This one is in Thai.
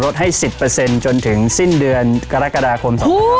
สิบเปอร์เซ็นต์จนถึงสิ้นเดือนกรากฎาคม